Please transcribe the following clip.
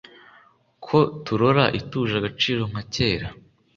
Ko turora ituje agaciro nka kera